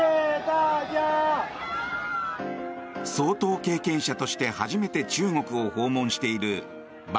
総統経験者として初めて中国を訪問している馬